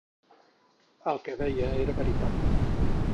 El que deia era veritat.